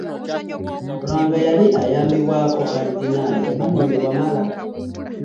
Lwanga yali ayambibwako Kalidinaali Emmanuel Wamala.